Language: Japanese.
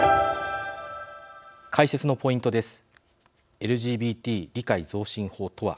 解説のポイントです。